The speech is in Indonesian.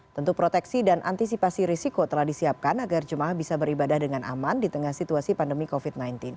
tentu proteksi dan antisipasi risiko telah disiapkan agar jemaah bisa beribadah dengan aman di tengah situasi pandemi covid sembilan belas